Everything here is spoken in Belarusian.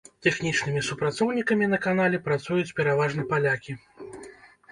Тэхнічнымі супрацоўнікамі на канале працуюць пераважна палякі.